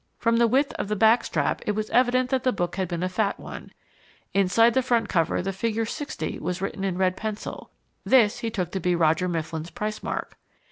From the width of the backstrap it was evident that the book had been a fat one. Inside the front cover the figure 60 was written in red pencil this he took to be Roger Mifflin's price mark.